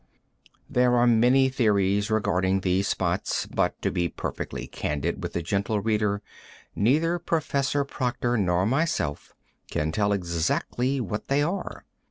There are many theories regarding these spots, but, to be perfectly candid with the gentle reader, neither Prof. Proctor nor myself can tell exactly what they are.